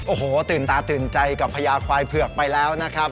โอ้โหตื่นตาตื่นใจกับพญาควายเผือกไปแล้วนะครับ